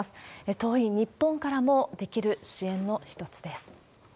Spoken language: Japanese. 遠い日本からもできる支援の一つです。